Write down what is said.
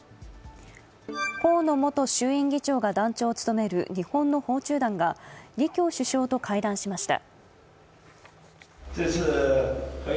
河野元衆院議長が団長を務める日本の訪中団が李強首相と会談しました。